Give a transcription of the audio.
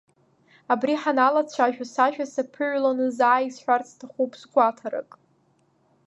Абри ҳаналацәажәо, сажәа саԥыҩланы, заа исҳәарц сҭахуп згәаҭарак.